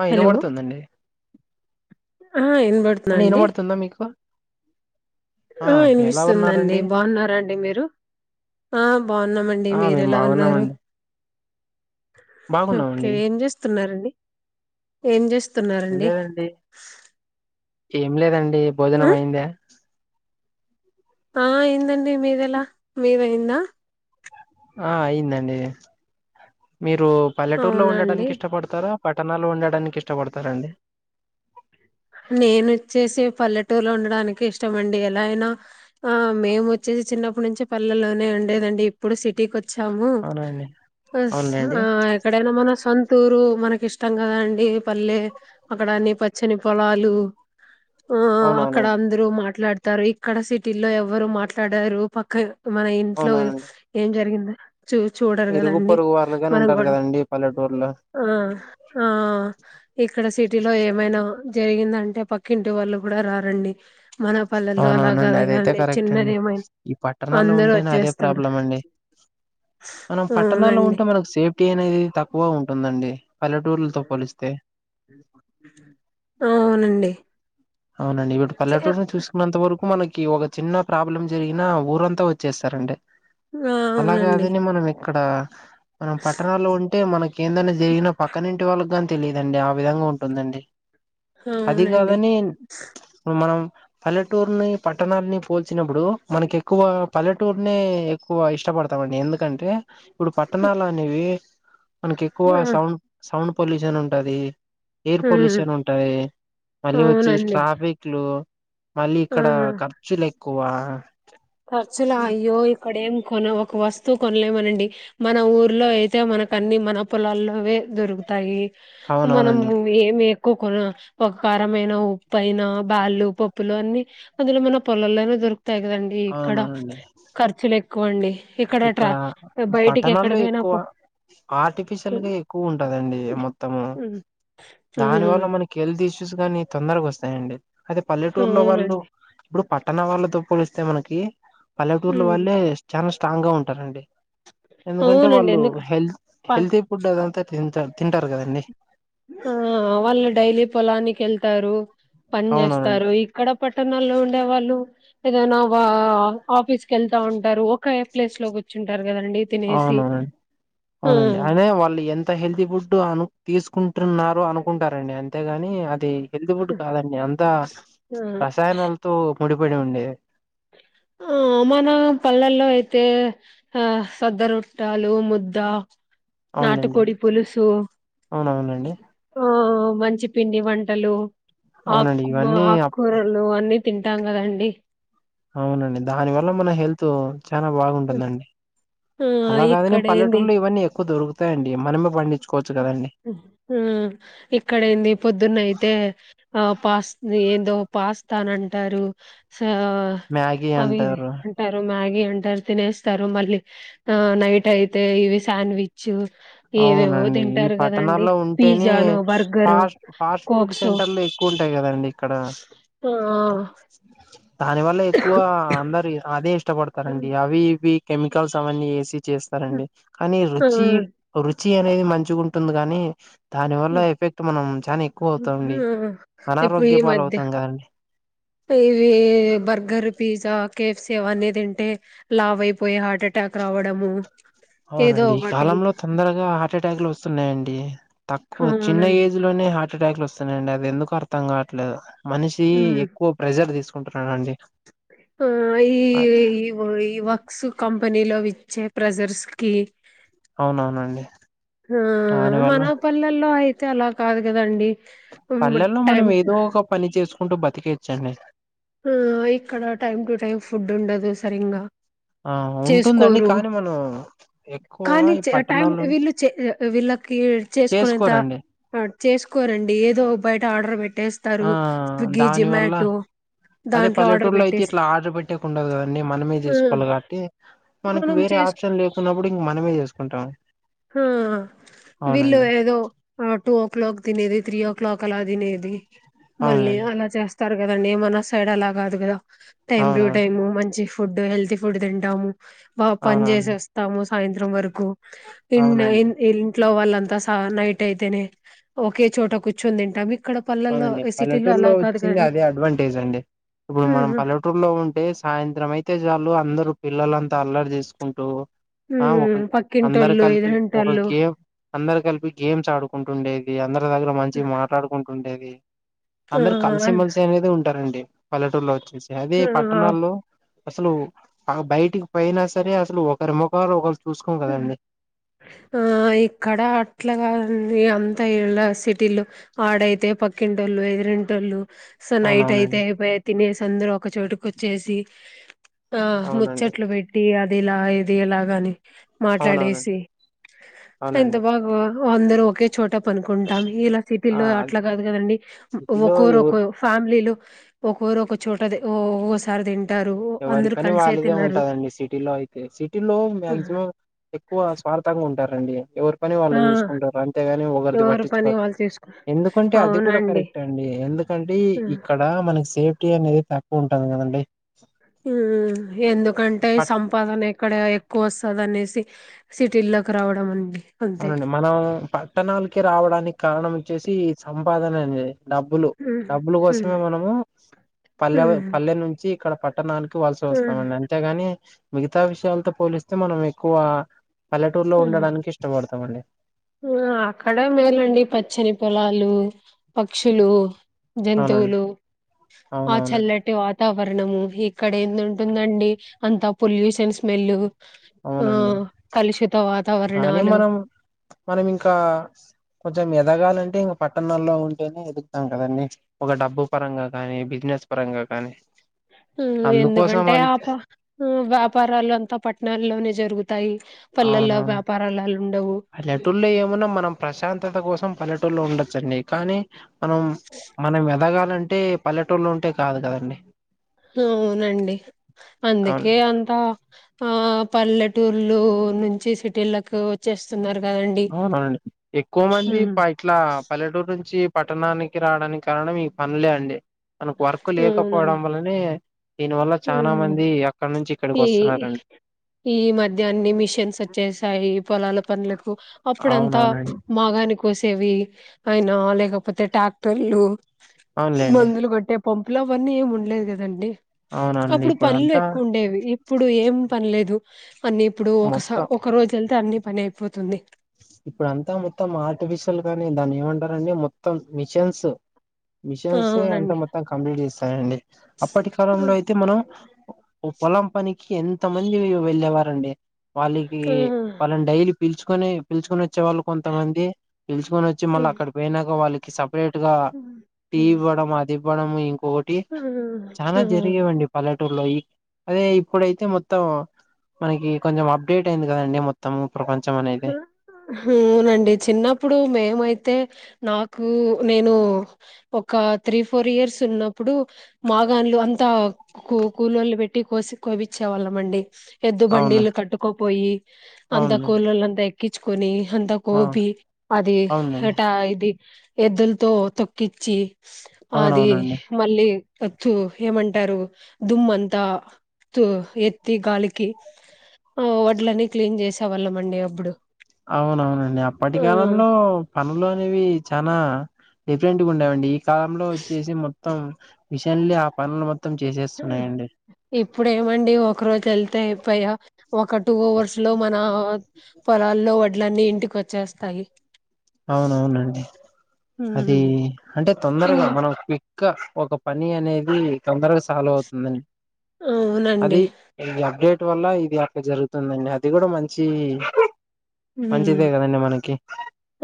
ఆ హలో ఇనబడ్తుందండి ఆ వినబడుతుందా అన్ని అండి ఇనబడ్తుందా మీకు ఆ ఎలా ఇన్పిస్తుందండి ఉన్నారండి బావున్నారా అండి మీరు? ఆ బావున్నామండి ఆ మేము మీరెలా ఉన్నారు? బాగున్నామండి కె ఒక్కే బాగున్నామండి ఏం చేస్తున్నారండి ఏం చేస్ ఏం స్తున్నారండి? లేదండి ఏం లేదండీ భోజనం అయిందా ఆ అయిందండి మీదెలా మీదయ్యింద ఆ అయిందండి. మీరు పల్లెటూర్లో అవునా అండి ఉండడానిక్ ఇష్టపడ్తరా పట్టణాల్లో ఉండడానిక్ ఇష్ట పడ్తరా అండి నేనొచ్చేసే పల్లెటూర్లో ఉండడానికి ఇష్టమండి ఎలా అయినా ఆ మేమ్ ఒచ్ చేసి చిన్నప్పుడ్ నుంచి పల్లెల్లోనే ఉండేదండి ఇప్పుడు సిటీకొ చ్చమ్ము అవునండి బస్ అవునులేండి ఆ ఎక్కడైనా మన సంతూరు మనకిష్టం గదా అండి పల్లె అక్కడ అన్నీ పచ్చని పొలాలు ఆ అక్కడ అవునవునండి అందరూ మాట్లాడ్ తరు ఇక్కడ సిటీల్లో ఎవరు మాట్లాడరు పక్క మన ఇంట్లో అవునవునండి ఏం జరిగింద చు చూడర్ ఇరుగు గధండి పొరుగు వాళ్ళుగాని మనం ఉంటారు గూడ కదండి పల్లెటూరులో ఆ ఆ ఇక్కడ సిటీలో ఏమైనా జరిగిందంటే పక్కింటి వాళ్ళు గుడ రారండి. మన పల్లెల్లో అలా అవునవునండి కాదు అదైతే కాదండి కరెక్టన్ చిన్నది ఏమైనా ఈ పట్టణాల్లో అందరూ ఉంటేనే అదే వచ్చేస్తారు ప్రాబ్లెమ్ అండి. మనం పట్టణాల్లో అవునండి ఉంటే మనకు సేఫ్టీ అనేది తక్కువ ఉంటుందండి పల్లెటూర్లతో పోలిస్తే అవునండి అవునండి ఇపుడు పల్లటూర్ని చూస్నంత వరకు మనకి ఒక చిన్న ప్రాబ్లెమ్ జరిగినా ఊరంతా వచ్చేస్తారండి అలా అవునండి గాదని మనం ఇక్కడ మనం పట్టణాలో ఉంటే మనకి ఏందనా జరిగినా పక్కనింటి వాళ్ళకి గాన్ తెలిదండి ఆ విధంగా ఉంటుందండి అది అవునండి గాదని మనం పల్లెటూర్ని పట్టణాన్ని పోల్చినప్పుడు మనకి ఎక్కువ పల్లెటూర్నే ఎకు బ ఇష్టపడతామండి ఎందుకంటే ఇప్పుడు పట్టణాలు అనేవి మనకి ఎక్కువ ఆ అవునండి సౌండ్ సౌండ్ పొల్యూషన్ ఉంటది ఎయిర్ అవునండి. ఆ హ్మ్. పొల్యూషన్ ఉంటది మళ్ళీ వచ్చేసి అవునండి ట్రాఫిక్లు మళ్ళీ ఇక్కడ ఖర్చులేక్కువ ఖర్చుల అయ్యో ఇక్కడ ఏం కొన ఒక వస్తువు కొనలేమనండి మన ఊర్లో అయితే మన మనకన్ని మన పొలాల్లోవె దొరుకుతాయి మనం అవునవునండి ఏం ఎక్కువ కొర ఒక కారమైన ఉప్పయిన బళ్ళు పప్పులు అన్ని అందులో మన పొలల్లోనే దొరుకుతాయి గదండి ఇక్కడ అవునవునండి ఖర్చులు ఎక్కువండి ఇక్కడ ట్ర బయటికి పట్టణాల్లో ఎక్కడికైనా ఎక్కువ పో ఆర్టిఫిషియల్ గా ఎక్కువ ఉంటదండి మొత్తము ఉ ఉ దాని వల్ల మనకి హెల్త్ ఇష్యూ స్ గానీ తొందరగా వస్తాయంండి అయితే పల్లెటూర్ లో వాళ్ళు అవునండి ఇప్పుడు పట్టణ వాళ్ళతో పోలుస్తే మనకి ఉ పల్లెటూర్ల వాళ్ళే చాలా స్ట్రాంగ్ గా ఉంటారండి ఎందుకంటే అవునండి వాళ్ళు ఎందుకు హెల్త్ ప హెల్తీ ఫుడ్ అదంతా తింట తింటారు గదండి ఆ వాళ్ళు డైలీ పొలానికి ఎళ్తారు పని అవునవునండి జేస్తారు ఇక్కడ ప పట్టణాల్లో ఉండే వాళ్ళు ఏదైనా వ ఆఫీస్ కేళ్తా ఉంటారు ఒకే ప్లేస్ లో గుచ్చుంటారు అవునవునండి ఆ అవునండి అయినే వాళ్ళు ఎంత హెల్తీ ఫుడ్ అను తీసుకుం టున్నారు అనుకుంటారండి అంతేగాని కానీ అది హెల్తీ ఫుడ్ కాదండి అంతా రసాయనాలతో ముడిపడి ఉండేది ఆ మన పల్లెల్లో అయితే ఆ సద్ద రొట్టలు ముద్ద అవునులేండి నాటుకోడి పులుసు అవునవునండి ఆ ఒ మంచి పండి వంటలు అవునండి అక్ ఇవన్నీ అప్ ఆకురలు అన్ని తింటాం గదండి అవునండి దాని వల్ల మన హెల్త్ చాలా బాగుంటుందండి ఆ అలాగాదనీ ఇక్కడ ఏంది పల్లెటూలో ఇవన్నీ ఎక్కువ దొరుకుతాయండి మనమే పండించుకో ఊమ్ ఇక్కడ ఏంది పొద్దున్న అయితే ఆ పాస్ ది ఏందో పాస్తానంటారు సా మ్యాగీ అవి ఇవి అంటారు అంటారు మాగీ అంటారు తినేస్తారు మళ్ళీ ఆ నైట్ అయితే ఇవి శాండ్విచ్ ఏవేవో అవునండి తింటారు కదండి పట్టణాల్లో ఉంటేనే పిజ్జాను burger fast fast food cokes సెంటర్లు ఎక్కువ ఉంటాయి గదండి ఇక్కడ ఆ దానివల్ల ఎక్కువ అందరు అదే ఇష్టపడతారండి అవి ఇవి కెమికల్స్ అవన్నీ ఎసి చేస్తారండి కానీ ఆ రుచి రుచి అనేది మంచిగా ఉంటుంది గనీ దాని వల్ల ఎఫెక్ట్ మనం చానా ఎక్కువ అవుతమండీ ఇప్పుడు ఈ అనారోగ్యపాల మధ్య అవుతాం గదండి ఇవి burger pizza K F C అవన్నీ తింటే లావ్ అయిపోయే హార్ట్ అటాక్ రావడము ఏదో అవునండి ఈ ఒకటి కాలంలో తొందరగా హార్ట్ అటాక్లు వస్తున్నాయండి తక్కువ చిన్న అవునండి ఏజ్ లోనే హార్ట్ అటాక్లు వస్తున్నాయండి అది ఎందుకు అర్థం గవట్లేదు మనిషి ఎక్కువ ప్రెషర్ తీసుకు హ ఇ ఇవ ఇవ క్స్ కంపెనీలో విచ్చే ప్రెజర్స్ క్కి అవునవునండి హా దాని వల్ల మన పల్లెల్లో అయితే అలా కాదు గదండి పల్లెల్లో మనం ఏదో ఒక పని చేస్కూంటూ బతికేచ్చండి హా ఇక్కడ టైమ్ టు టైమ్ ఫుడ్ ఉండదు సరింగా ఆ ఉంటుందండి చేస్కోరు కానీ మనం ఎక్కువ కానీ ఈ చె టైం పట్టణాల్లో వీళ్ళు చే అ విల్ లకి చేస్కునేంత చేసుకోరండి చేస్కోరండి ఏదో బయట ఆర్డర్ పె ఆ ట్టేస్తారు స్విగ్గి దాని వల్ల జెమాటో అదే పల్లెటూర్లో అయితే ఇట్లా ఆర్డర్ పెట్టేకుండదు గదండి మనమే ఆ, తీస్కోలే కాట్టి మనకి మనం వేరే ఆప్షన్ లేకున్నప్పుడు ఇంగ మనమే చేస్కుంటాం హు వీళ్ళు ఏదో టూ వో క్లాక్ తినేది త్రీ వో క్లాక్ అలా తినే ది మళ్ళీ అవునండి అలా చేస్తారు కదండి మన సైడ్ అలా గాదు గదా టైమ్ టూ అవునవును టైమ్ మంచి ఫుడ్ హెల్తీ ఫుడ్ తింటాము బా అవునవును పనిజేసేస్తాము సాయంత్రం వరకు ఇండ్ అవునండి ఇన్ ఇంట్లో వాళ్ళంతా సా నైటైతేనే ఒకే చోట కూర్చోంతింటాం అవునండి పల్లెటూర్లో వచ్చింది అదే అడ్వాంటేజ్ అండి ఇప్పుడు మనం ఉమ్, పల్లెటూర్లో ఉంటే సాయంత్రమైతే చాలు అందరూ పిల్లలంతా అల్లరి జేస్కుంటూ ఆ ఉమ్, ఒకల్కి అందరు పక్కింటోళ్ళు కల్పి ఒక ఎదురింటోళ్ళు గేమ్ అందరు కల్పీ గేమ్స్ ఆడుకుంటుండే ఇ అందరి దగ్గర మంచిగా మాట్లాడ్కుంటుండేది ఆ అందరు కల్సిమెల్సి అనేది ఉంటారండి పల్లెటూర్లోచ్చేసి అదే పట్టణాల్లో అస్సలు ఆ బై ట్కి పోయ్న సరే అసలు ఒకరి మోకాలు ఒకరు టు హు ఆ ఇక్కడ అట్లగాదు ఏ అంతా ఈళ్ళ సిటీలో ఆడైతే పక్కింటోళ్ళు ఎదిరింటోళ్ళు సో నైటైతే అవునవునండి అయిపాయె తినేసందరూ ఒక చోటుకొచ్చేసి ఆహ్ అవునండి ముచ్చట్లు పెట్టి అది ఇలా ఇది ఎలాగాని అవునవునండి మాట్లాడేసి ఎంత అవునండి బాగో అందరు ఒకే చోట పనుకుంటాం ఇలా ఆ సిటీల్లో అది అట్లా కాదు గదండి సిటీలో ఎవరు ఒకోరొకో ఫ్యామ్లీలు ఒకోరొకో చోటది ఓసారి తిం ఎవరి పని వాళ్ళదే ఉంటాదండి సిటీలో అయితే సిటీలో మ్యాక్సిమం ఎక్కువ స్వార్థంగా ఉంటారండి ఎవరు పని వాళ్ళు ఆ చూస్కుంటారు అంతేగాని ఒకర్ది ఎవరి పని పట్టించ్కోరు వాళ్ళు చూసుకు ఎందుకంటే అది కూడా అవునండి కరెక్ట్ అండి ఎందుకంటే ఆ. ఇక్కడ మనకి సేఫ్టీ అనేది తక్కువుంటది గదండి ఉహు ఎందుకంటే పట్ సంపాదనెక్కడ ఎక్ కోస్తాడనేసి సిటీల్లోకి రావడం అండి అంతే అవునండి మనం పట్టణాల్కి రావడానిక్కారణం వచ్చేసి సంపాదననే డబ్బులు డబ్బులు కోసమే మనము పల్లె పల్లె నుంచి ఇక్కడ ప ట్టనాన్కి వలస వస్తామండి అంతేగాని మిగతా విష్యాల్తో పోలిస్తే మనం ఎక్కువ పల్లెటూర్లో ఉండడానికి ఇష్టపడ్తామండి ఆ అక్కడే మేలండి పచ్చని పొలాలూ పక్షులూ అవునండి. జంతువులు ఆ అవునవునండి. చల్లటి వాతావర్ణమూ ఈ ఇక్కడేందుంటుందండి అంత పొల్యూషన్ స్మెల్ ఆ అవునండి. కలుషిత కానీ వాతావర్ణాలు మనం మనం ఇంకా కొంచెం ఎదగాలంటే ఇంగా పట్టణాల్లో ఉంటేనే ఎదుగుతాం కదండి ఒక డబ్బు పరంగా కానీ బిజి నెస్ పరంగా కానీ ఉమ్ అందుకోసం ఎందుకంటే అంతే ఆప వ్యాపారాలు అంతా పట్నాల్లోనే జరుగు అవును ఉండవు పల్లెటూల్లే ఏమన్నా మనం ప్రశాంతత కోసం త్తం పల్లెటూళ్లోండొచ్చండి కానీ మనం మనం ఎదగాలంటే పల్లెటూర్లో ఉంటే కాదు కదండి అవునండి అవును అందుకే అంతా ఆ పల్లెటూర్లు నుంచి సిటీలకు వచ్చేస్తున్నారు కదండి అవునవునండి ఎక్కువ మంది ఉమ్ ఇట్లా పల్లెటూరు నుంచి పట్టణానికి రావడానికి కారణం మీ పనులే అండి మనకు వర్క్ లేకపోవడం అవునండి వలనే దీని వల్ల చనా ఉమ్ మంది అక్కడ నుంచి ఇక్ ఈ ఈ మధ్య అన్ని మిషన్స్ వచ్చేసాయి పొలాల పనులకు అప్పుడంతా అవునవునండి మాగాని కోసేవి అయినా లేకపోతే ట్రాక్టర్లు అవునులేండి మందులు కొట్టె పలు అవన్నీ ఏమి ఉండలేదు కదండి అవునండి అప్పుడు పనులు ఇప్పుడంతా ఎక్కువ ఉండేవి ఇప్పుడు ఏం పనిలేదు అన్ని ఇప్పుడు ఒకస ఒక రోజు వెళ్తే అన్ని పని అయిపోతుంది ఇప్పుడ అంతా మొత్తం ఆర్టిఫిషియల్ గాని దాన్ని ఏమంటారుంటడి మొత్తం మిషన్స్ ఆ! మిషన్సే అంత అవునండి మొత్తం కంప్లీట్ చేస్తానండి అప్పటి ఆ కాలంలో అయితే మనం ఓ పొలం పనికి ఎంత మంది వెళ్ళేవారండి వాళ్ళకి ఆ వాళ్ళని డైలీ పిలుచుకొని పిలుచుకని వచ్చే వాళ్ళు కొంతమంది పిలుచుకని వచ్చి ఆ! మళ్ళీ అక్కడ పోయినాక వాళ్ళకి స సపరేట్ గా హ్మ్ టీ హ్మ్ ఇవ్వడం అది ఇవ్వడం ఇం పోటి హ్మ్ చాలా హ్మ్ జరిగేవండి పల్లె లో అదే ఇప్పుడైతే మొత్తం మనకి కొంచెం అప్డేట్ అయింది కదండి మొత్తం ప్రపంచం అనేది అవునండి చిన్నప్పుడు మేమైతే నాకు నేను ఒక త్రీ ఫోర్ ఇయర్స్ ఉన్నప్పుడు మాగాన్లు అంతా కూ కూలొల్లు పెట్టి కోసి కోపించేవాళ్ళమండి ఎద్దు అవును బండిలు కట్టుకోపోయి అంత అవునండి కూళ్లంతా ఎక్కించుకొని అంతా ఆ కోపి అది అవునండి ఎటా ఇది ఎద్దులతో తొక్కించి అది అవునవునండి మళ్ళీ వత్తు ఏమంటారు దుమ్ంతా ఎత్తి గాలికి ఆ వడ్లని క్లీన్ చేసేవాళ్ళం అండి అప్పుడు అవునవునండి అప్పటి ఆ కాలంలో పనులు అనేవి చనా డిఫరెంట్ గా ఉండేవండి ఈ కాలంలో వచ్చేసి మొత్తం మెషినల్ ఆ పనులు మొత్తం చేసేస్తున్నాయండి ఇప్పుడు ఏమండి ఒక రోజు వెళ్తే ప ఒక టూ అవర్స్ లో మన పొలాల్లో వడ్లన్నీ ఇంటికి వచ్చేస్తాయి అవునవునండి అది ఉమ్ అంటే ఇం తొందరగా మనం ఇంకా ఒక పని అనేది తొందరగా సాల్వ్ అవుతుందండి అవునండి అది ఇ అప్డేట్ వల్ల ఇది అక్కడ జరుగుతుందండి అది కూడా మంచి ఉమ్ మంచిదే కాదండి మనకి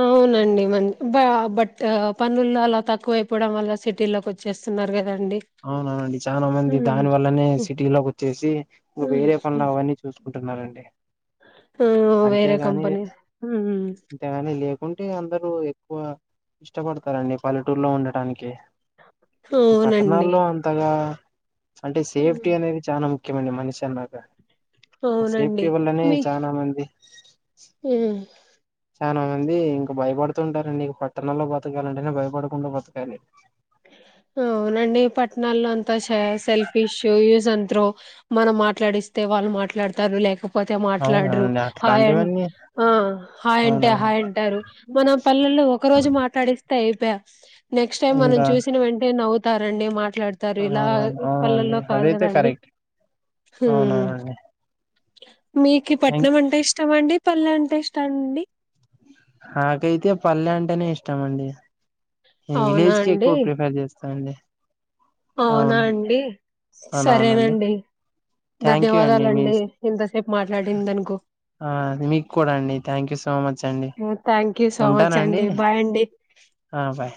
అవునండి మ బ బట్ పనులు అలా తక్కువ అయిపోవడం వల్ల సిటీ లోకి వచ్చేస్తున్నారు కదా అవుననండి చాలా మంది దాని వల్లనే సిటీలోకి వచ్చేసి ఇకా వేరే పనులు అవన్నీ చూస్త కుంటున్నారండి ఆ వేరే కంపెనీ అంతేగాని లేకుంటే అందరు ఎక్కువ ఇష్టపడతారండి పల్లెటూరులో ఉండటానికి ఈ అవునండి పట్టణాల్లో అంతగా అంటే సేఫ్టీ హ్మ్. అనేది చాలా ముఖ్యమండి మనిషి అన్నాక ఆ అవునండి సేఫ్టీ వల్లనే మీ చాలామంది హ్మ్. చాలా మంది ఇంకా భయపడుతుంటారండి ఇక పట్టణాల్లో బతకాల అంటే భయపడకుండా బతకాలి అవునండి పట్టణాల్లో అంతా సెల్ఫీ షూ యూస్ అండ్ త్రో మనం మాట్లాడిస్తే వాళ్ళు మాట్లాడతారు లేకపోతే పోతే మాట్లాడరు అవునవునండి హాయ్ అట్లాంటివన్నీ హాయ్ అంటే అవునవును హాయ్ అంటారు మన పల్లెలో ఒక రోజు మాట్లాడిస్తే అయిపోయా నెక్స్ట్ టైం మనం ఇంకా చూసిన వెంటే అవుతారండి మాట్ మాట్లాడతారు ఇలా అవునవును అవునండి పల్లల్లో కాదు అదైతే కదండి కరెక్ట్ అవునవునండి మీకు థ్యాంక్ పట్నం అంటే ఇష్టమ అండి పల్లె అంటే ఇష్ట అండి నాకైతే పల్లె అంటేనే ఇష్టం అండి నిన్ అవునా విలేజ్ కి అండి ఎక్కువ ప్రిఫర్ జేస్త తాండే అవునా అండి అవునవునండి సరేనండి థ్యాంక్ యూ అండి మీ ధన్యవాదాలండి ఇంతసేపు మాట్లాడిందనుకు ఆ అద్ మీకూడా అండి థ్యాంక్ యూ సో మచ్ అండి థ్యాంక్ యూ సో మచ్ ఉంటానండి అండి బాయ్ అండి ఆ బాయ్